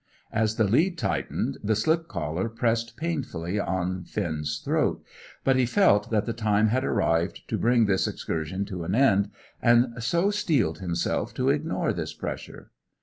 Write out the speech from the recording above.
As the lead tightened, the slip collar pressed painfully on Finn's throat; but he felt that the time had arrived to bring this excursion to an end, and so steeled himself to ignore this pressure.